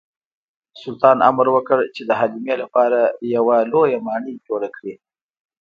سلطان امر وکړ چې د حلیمې لپاره یوه لویه ماڼۍ جوړه کړي.